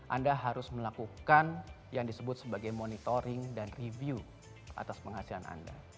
anda harus melakukan yang disebut sebagai monitoring dan review atas penghasilan anda